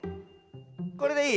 これでいい？